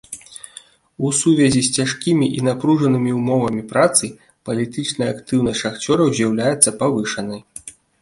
У сувязі з цяжкімі і напружанымі ўмовамі працы, палітычная актыўнасць шахцёраў з'яўляецца павышанай.